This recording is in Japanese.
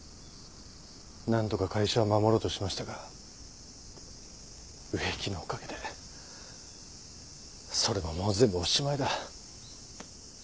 なんとか会社を守ろうとしましたが植木のおかげでそれももう全部おしまいだ。